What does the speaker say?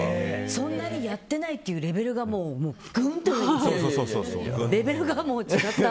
そんなにやってないっていうレベルがぐんと上にいった。